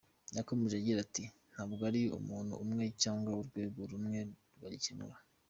Yakomeje agira ati “Ntabwo ari umuntu umwe cyangwa urwego rumwe rwagikemura.